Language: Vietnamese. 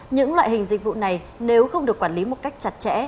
những loại hình dịch vụ này nếu không được quản lý một cách chặt chẽ